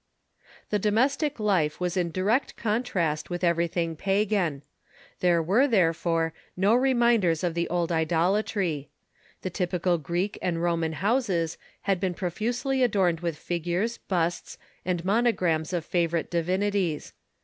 The domestic life was in direct contrast with everything pagan. There were, therefore, no reminders of the old idola try. The typical Greek and Roman houses had been "^"ufe*"^ profusely adorned with figures, busts, and monograms of favorite divinities.